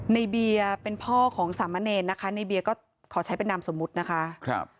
ในเบียร์เป็นพ่อของสามะเนรนะคะในเบียร์ก็ขอใช้เป็นนามสมมุตินะคะ